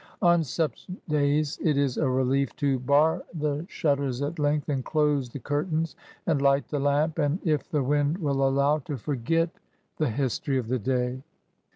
On such days, it is a relief to bar the shutters at length, and close the curtains, and light the lamp, and, if the wind will allow, to forget the 54 ESSAYS. history of the day.